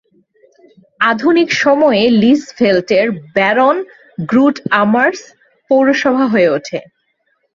আধুনিক সময়ে লিসভেল্টের ব্যারন গ্রুট-আমার্স পৌরসভা হয়ে ওঠে।